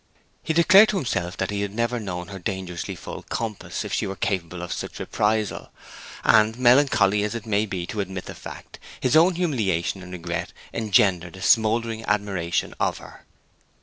He declared to himself that he had never known her dangerously full compass if she were capable of such a reprisal; and, melancholy as it may be to admit the fact, his own humiliation and regret engendered a smouldering admiration of her.